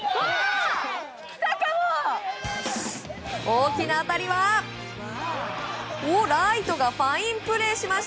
大きな当たりはライトがファインプレー！